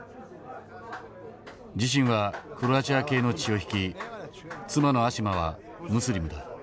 自身はクロアチア系の血を引き妻のアシマはムスリムだ。